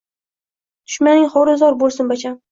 Dushmaning xoru zor bo‘lsun, bacham!